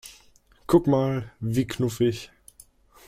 Guck mal, wie knuffig!